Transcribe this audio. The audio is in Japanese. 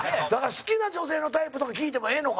好きな女性のタイプとか聞いてもええのか？